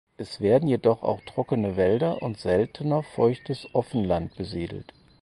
Es werden jedoch auch trockene Wälder und seltener feuchtes Offenland besiedelt.